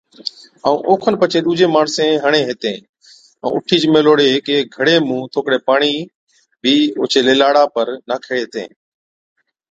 ائُون اوکن پڇي ڏُوجين ماڻسين هِڻي هِتين ائُون اُٺِيچ ميھلوڙي ھيڪي گھڙي مُون ٿوڪڙي پاڻِي بِي اوڇي لِلاڙا پر ناکين ھِتين